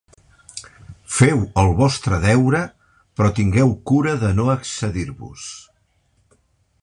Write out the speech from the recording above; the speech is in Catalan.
Feu el vostre deure, però tingueu cura de no excedir-vos.